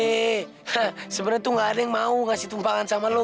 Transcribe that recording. sebenarnya tuh gak ada yang mau ngasih tumpangan sama lo